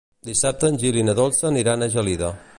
Dissabte en Gil i na Dolça aniran a Gelida.